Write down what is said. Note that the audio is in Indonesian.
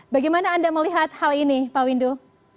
bagaimana anda melihat hal ini pak windu